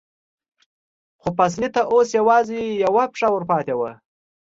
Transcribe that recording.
خو پاسیني ته اوس یوازې یوه پښه ورپاتې وه.